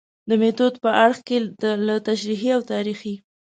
د میتود په اړخ کې له تشریحي او تاریخي